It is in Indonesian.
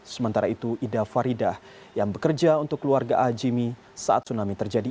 sementara itu ida faridah yang bekerja untuk keluarga a jimmy saat tsunami terjadi